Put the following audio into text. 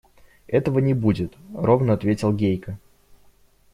– Этого не будет, – ровно ответил Гейка.